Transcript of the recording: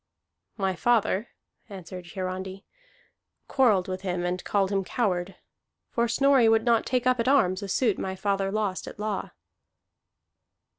"My father," answered Hiarandi, "quarrelled with him and called him coward. For Snorri would not take up at arms a suit my father lost at law."